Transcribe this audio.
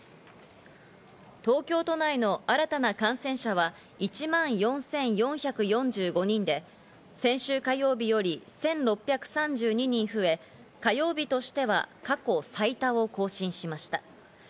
東京都内の新たな感染者は１万４４４５人で、先週火曜日より１６３２人増え、火曜日としては過去最多を更新しました。